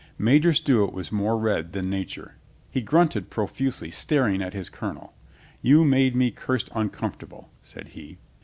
Major Stewart was more red than nature. He grunted profusely, staring at his colonel. "You make me cursed uncomfortable," said he.